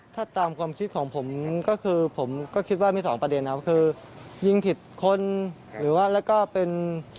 ถ้าตามความคิดของผมก็คิดว่ามี๒ประเด็น